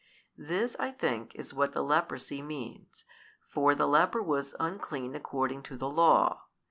This I think is what the leprosy means, for the leper was unclean according to the Law.